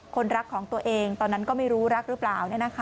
คนรักของตัวเองตอนนั้นก็ไม่รู้รักหรือเปล่า